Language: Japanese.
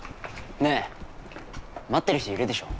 ねえ待ってる人いるでしょう。